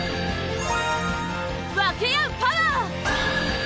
分け合うパワー！